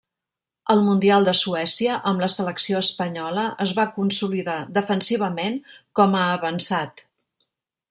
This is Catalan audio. Al mundial de Suècia, amb la selecció espanyola, es va consolidar defensivament com a avançat.